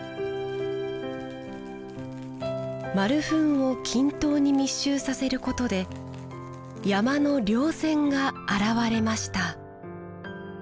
丸粉を均等に密集させることで山の稜線が現れました